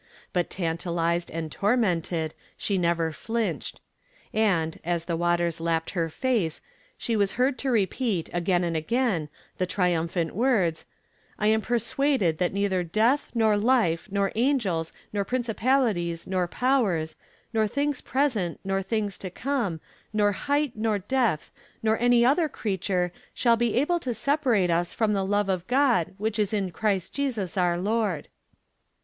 But tantalized and tormented, she never flinched; and, as the waves lapped her face she was heard to repeat, again and again, the triumphant words: '_I am persuaded that neither death, nor life, nor angels, nor principalities, nor powers, nor things present, nor things to come, nor height, nor depth, nor any other creature, shall be able to separate us from the love of God which is in Christ Jesus our Lord.